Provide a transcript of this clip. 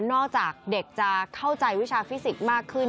จากเด็กจะเข้าใจวิชาฟิสิกส์มากขึ้น